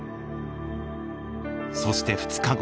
そして２日後。